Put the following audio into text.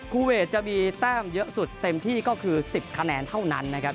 คูเวทจะมีแต้มเยอะสุดเต็มที่ก็คือ๑๐คะแนนเท่านั้นนะครับ